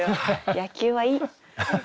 野球はいい。